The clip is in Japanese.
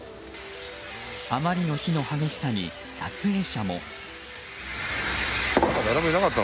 あまりの火の激しさに撮影者も。